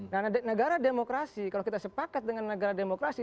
karena negara demokrasi kalau kita sepakat dengan negara demokrasi